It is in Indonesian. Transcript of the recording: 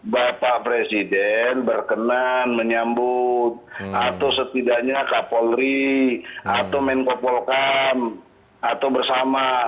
bapak presiden berkenan menyambut atau setidaknya kapolri atau menko polkam atau bersama